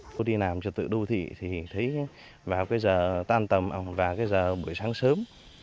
tôi đi làm trật tự đô thị thì thấy vào giờ tan tầm và giờ buổi sáng sớm